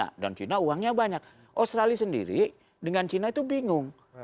tapi sekarang china masuk ke vanuatu bahkan sempet walaupun dibantah katanya china mau bikin pangkalan militer disana